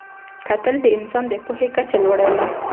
کتل د انسان د پوهې کچه لوړوي